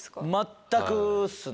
全くっすね。